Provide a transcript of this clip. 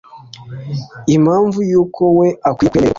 impamvu yuko we akwiye kwemererwa